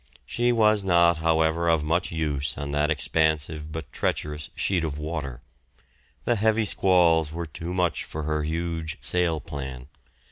She was not, however, of much use on that expansive but treacherous sheet of water. The heavy squalls were too much for her huge sail plan.